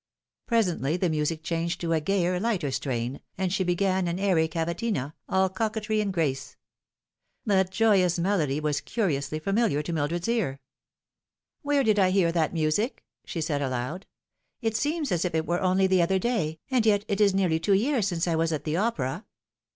Presently the music changed to a gayer, lighter strain, and she began an airy cavatina, all coquetry and grace. That joyous melody was curiously familiar to Mildred's ear. " Where did I hear that music ?" she said aloud. " It seems as if it were only the other day, and yet it is nearly two years since I was at the opera."